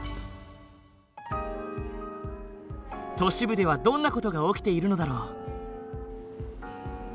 都市部ではどんな事が起きているのだろう？